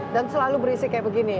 dan selalu berisik kayak begini ya